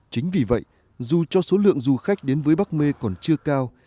chính vì vậy dù cho số lượng du khách đến với bắc mê còn chưa cao